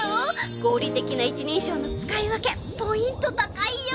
合理的な一人称の使い分けポイント高いよ！